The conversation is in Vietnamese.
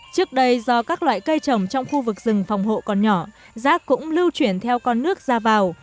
trước đây do các loại cây trồng trong khu vực rừng phòng hộ còn nhỏ rác cũng lưu chuyển theo con nước ra vào